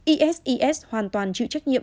isis hoàn toàn chịu trách nhiệm